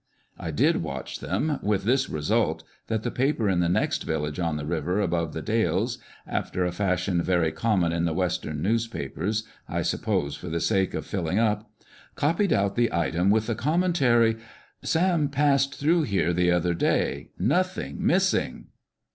I did watch them, with this result, that the paper in the next village on the river, above the Dalles (after a fashion very common in the western newspapers — 1 suppose for the sake of filling up) copied out the item, with the commentary: " Sam passed through here the other day — nothing missing